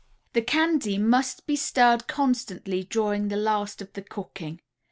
The candy must be stirred constantly during the last of the cooking.